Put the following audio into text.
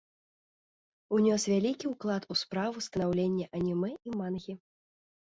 Унёс вялікі ўклад у справу станаўлення анімэ і мангі.